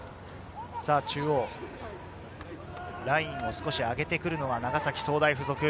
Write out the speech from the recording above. ラインを少しあげてくるのは長崎総大附属。